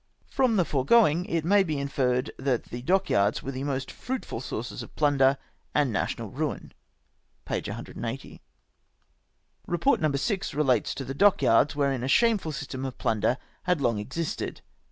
From the foregoing it may be inferred that the dockyards were the most fruitful sources of plunder and national ruin." (p. 180.) " Eeport No. 6 relates to the dockyards, wherein a shame ful system of plunder had long existed."